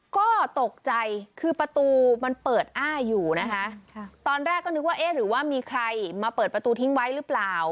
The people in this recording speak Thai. ก็ตกใจคือประตูมันเปิดอ้าอยู่นะคะตอนแรกก็นึกว่าเอ๊ะหรือว่ามีใครมาเปิดประตูทิ้งไว้หรือเปล่า